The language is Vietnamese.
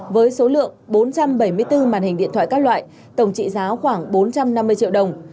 với số lượng bốn trăm bảy mươi bốn màn hình điện thoại các loại tổng trị giá khoảng bốn trăm năm mươi triệu đồng